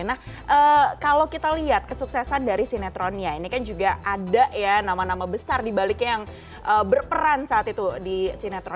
nah kalau kita lihat kesuksesan dari sinetronnya ini kan juga ada ya nama nama besar dibaliknya yang berperan saat itu di sinetron